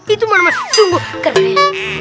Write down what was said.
itu teman teman sungguh keren